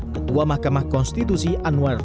ketua mahkamah konstitusi anwar